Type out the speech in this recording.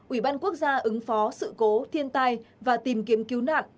ủy ban quốc gia ứng phó sự cố thiên tai và tìm kiếm cứu nạn